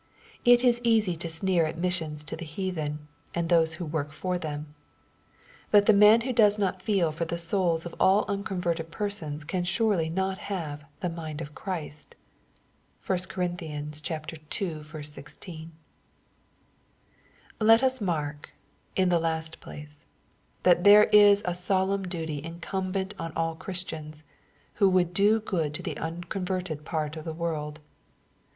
It is easy to sneer at missions to the heathen, and those who work for them. But the man who does not feel for the souls of all unconverted persons, can surely not have " the mind of Christ/' (1 Cor. ii. 16.) Let us mark, in the last place, that there is a solemn duty incumbent on all Christians, who would do good to the unconverted part of the world.